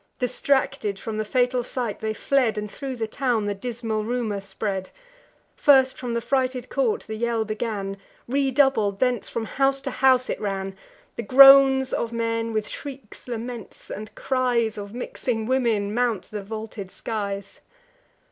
Distracted, from the fatal sight they fled, And thro' the town the dismal rumour spread. First from the frighted court the yell began; Redoubled, thence from house to house it ran: The groans of men, with shrieks, laments, and cries Of mixing women, mount the vaulted skies.